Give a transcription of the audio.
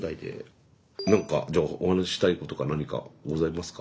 何かじゃあお話ししたいことが何かございますか？